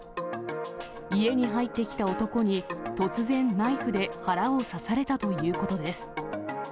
家に入ってきた男に、突然、ナイフで腹を刺されたということです。